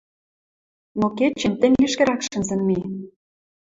Но кечӹнь тӹнь лишкӹрӓк шӹнзӹн ми!